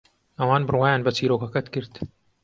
ئەوان بڕوایان بە چیرۆکەکەت کرد.